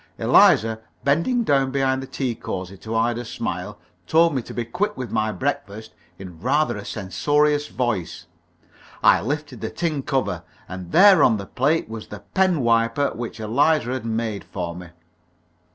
Eliza, bending down behind the tea cosy to hide her smile, told me to be quick with my breakfast, in rather a censorious voice. I lifted the tin cover, and there on the plate was the pen wiper which Eliza had made for me.